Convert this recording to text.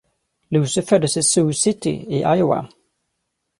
Lucy föddes i Sioux City i Iowa.